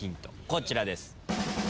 こちらです。